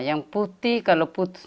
yang putih kalau putih